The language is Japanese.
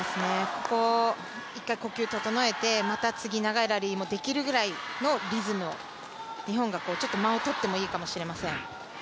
ここは一回呼吸を整えて、また次長いラリーができるぐらいのリズムを、日本がちょっと間を取ってもいいかもしれません。